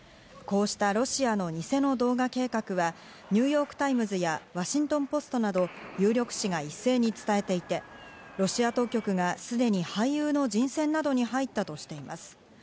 こうしたロシアの偽の動画計画は、ニューヨーク・タイムズやワシントンポストなど有力紙が一斉に伝えていて、ロシア当局がすでに俳優の人選などに入ったとしています。